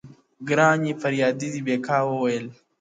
گراني فريادي دي بـېــگـــاه وويل-